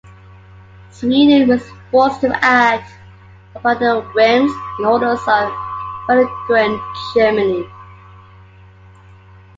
Sweden was forced to act upon the whims and orders of a belligerent Germany.